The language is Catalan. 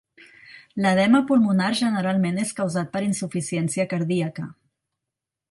L'edema pulmonar generalment és causat per insuficiència cardíaca.